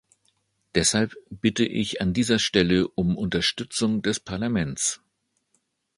Deshalb bitte ich an dieser Stelle um Unterstützung des Parlaments.